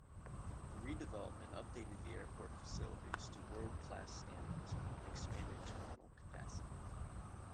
The redevelopment updated the airport facilities to world-class standards and expanded terminal capacity.